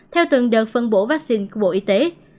theo từng đợt phân bổ vaccine của bộ y tế